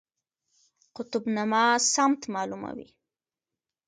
قطب نما سمت معلوموي